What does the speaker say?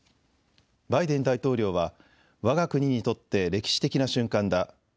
バイデン大統領はわが国にとって歴史的な瞬間だ。